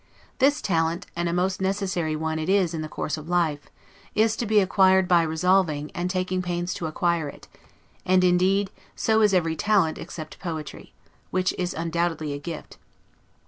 This talent (and a most necessary one it is in the course of life) is to be acquired by resolving, and taking pains to acquire it; and, indeed, so is every talent except poetry, which is undoubtedly a gift.